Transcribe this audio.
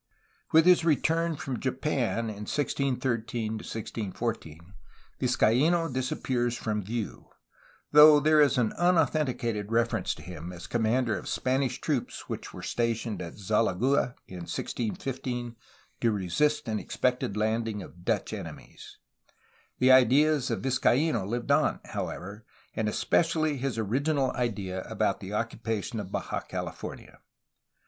^ With his return from Japan in 1613 1614, Vizcaino dis appears from view, though there is an unauthenticated ref erence to him as commander of Spanish troops which were stationed at Zalagua in 1615 to resist an expected landing of Dutch enemies. The ideas of Vizcaino lived on, however, and especially his original idea about the occupation of Baja California.